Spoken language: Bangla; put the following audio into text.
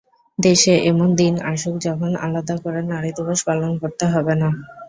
দেশে এমন দিন আসুক, যখন আলাদা করে নারী দিবস পালন করতে হবে না।